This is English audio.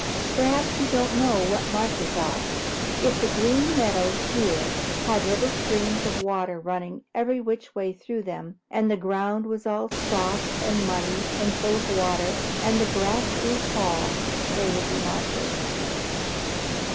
Perhaps you don't know what marshes are. If the Green Meadows here had little streams of water running every which way through them, and the ground was all soft and muddy and full of water, and the grass grew tall, they would be marshes."